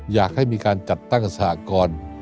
อยากให้มีการจัดตั้งสหกร